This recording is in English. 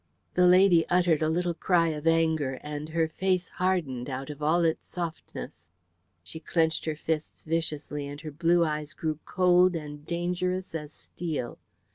The lady uttered a little cry of anger, and her face hardened out of all its softness. She clenched her fists viciously, and her blue eyes grew cold and dangerous as steel.